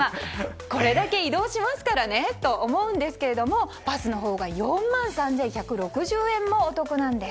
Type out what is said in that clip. これだけ移動しますからねと思うんですけどもパスのほうが４万３１６０円もお得なんです。